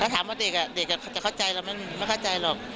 ถ้าถามว่าเด็กอ่ะเด็กจะเข้าใจเรามันไม่เข้าใจหรอก